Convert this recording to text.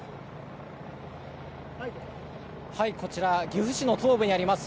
こちら岐阜市の東部にあります